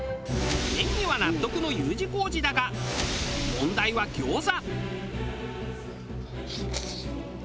麺には納得のＵ字工事だが問題は餃子。